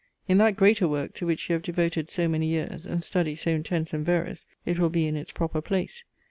In that greater work to which you have devoted so many years, and study so intense and various, it will be in its proper place.